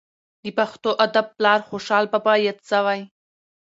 د پښتو ادب پلار خوشحال بابا یاد سوى.